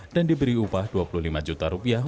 dan diberi upah dua puluh lima juta rupiah